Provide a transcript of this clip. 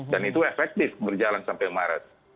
dan itu efektif berjalan sampai maret